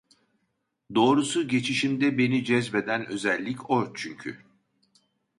Doğrusu geçişimde beni cezbeden özellik o çünkü